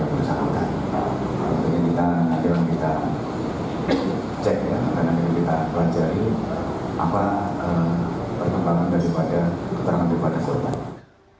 jadi kita cek dan kita pelajari apa perkembangan daripada keterangan daripada seluruh